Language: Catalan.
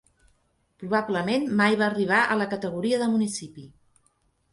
Probablement mai va arribar a la categoria de municipi.